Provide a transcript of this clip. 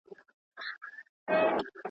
هم نسترن هم یې چینار ښکلی دی.